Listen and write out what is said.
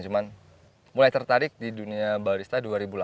cuma mulai tertarik di dunia barista dua ribu delapan belas